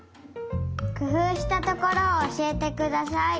くふうしたところをおしえてください。